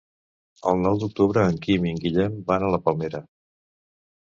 El nou d'octubre en Quim i en Guillem van a Palmera.